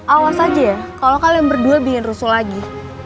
awas aja ya kalau kalian berdua bikin rusuh lagi